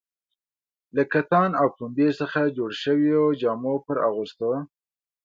له کتان او پنبې څخه جوړو شویو جامو پر اغوستو.